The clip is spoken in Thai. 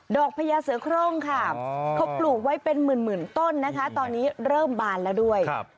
พญาเสือโครงค่ะเขาปลูกไว้เป็นหมื่นต้นนะคะตอนนี้เริ่มบานแล้วด้วย